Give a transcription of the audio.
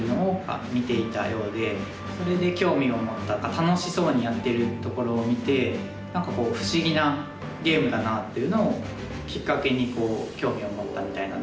楽しそうにやってるところを見て何か不思議なゲームだなっていうのをきっかけに興味を持ったみたいなんですけど。